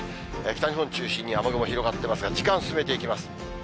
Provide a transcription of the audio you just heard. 北日本を中心に雨雲広がってますが、時間、進めていきます。